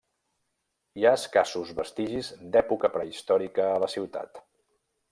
Hi ha escassos vestigis d'època prehistòrica a la ciutat.